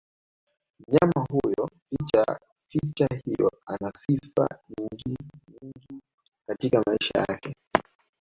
Mnyama huyo licha ya sifa hiyo anasifa nyingi nyingi katika maisha yake